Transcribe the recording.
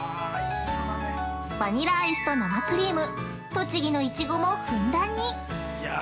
バニラアイスと生クリーム栃木のイチゴもふんだんに。